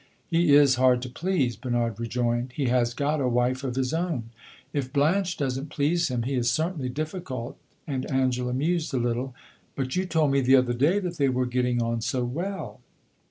"He is hard to please," Bernard rejoined. "He has got a wife of his own." "If Blanche does n't please him, he is certainly difficult;" and Angela mused a little. "But you told me the other day that they were getting on so well."